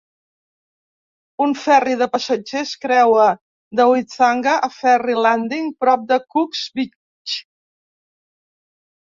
Un ferri de passatgers creua de Whitianga a Ferri Landing, prop de Cooks Beach.